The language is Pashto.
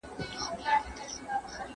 چي وائې ورې وې وايه، چي وې وينې مې وايه.